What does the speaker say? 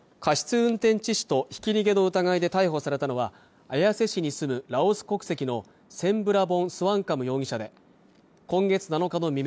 運転致死とひき逃げの疑いで逮捕されたのは綾瀬市に住むラオス国籍のセンブラボン・スワンカム容疑者で今月７日の未明